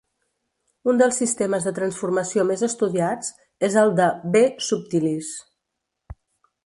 Un dels sistemes de transformació més estudiats és el de "B. subtilis".